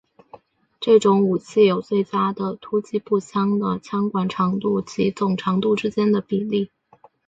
这种武器有最佳的突击步枪的枪管长度及总长度之间的比例。